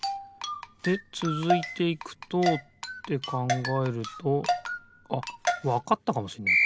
でつづいていくとってかんがえるとあっわかったかもしんない